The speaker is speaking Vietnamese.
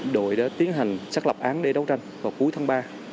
đội đã tiến hành xác lập án để đấu tranh vào cuối tháng ba